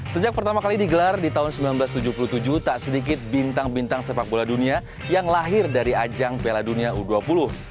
sejak pertama kali digelar di tahun seribu sembilan ratus tujuh puluh tujuh tak sedikit bintang bintang sepak bola dunia yang lahir dari ajang piala dunia u dua puluh